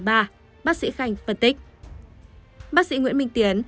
bác sĩ nguyễn minh tiến